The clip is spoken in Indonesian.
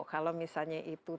kalau misalnya itu